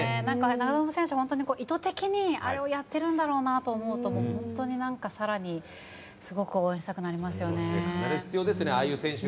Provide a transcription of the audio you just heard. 長友選手は意図的にあれをやっているんだろうなと思うと本当に、更にすごく応援したくなりますよね。